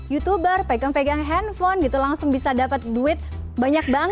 youtuber pegang pegang handphone gitu langsung bisa dapat duit banyak banget